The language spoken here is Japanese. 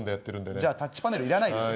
じゃあタッチパネル要らないですよ。